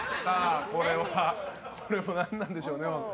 これは何なんでしょうね。